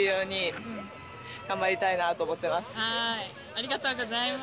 ありがとうございます。